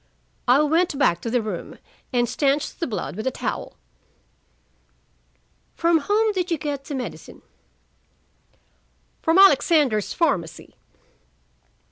"I went back to the room, and stanched the blood with a towel." "From whom did you get the medicine?" "From Alexander's Pharmacy."